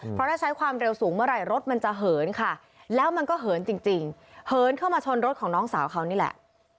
เพราะถ้าใช้ความเร็วสูงเมื่อไหร่รถมันจะเหินค่ะแล้วมันก็เหินจริงเหินเข้ามาชนรถของน้องสาวเขานี่แหละ